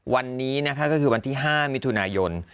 วันนี้นะคะก็คือวันที่๕มิถุนายน